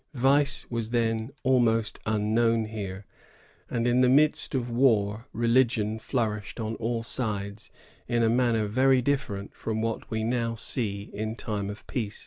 Vice was then almost unknown here, and in the midst of war religion flourished on all sides in a manner very different from what we now see in time of peace."'